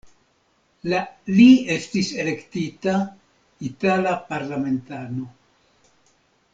La li estis elektita itala parlamentano.